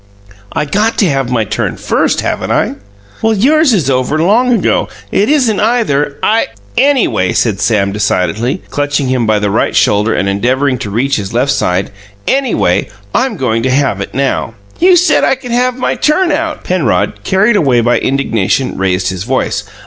"I got to have my turn first, haven't I?" "Well, yours is over long ago." "It isn't either! I " "Anyway," said Sam decidedly, clutching him by the right shoulder and endeavouring to reach his left side "anyway, I'm goin' to have it now." "You said I could have my turn out!" Penrod, carried away by indignation, raised his voice.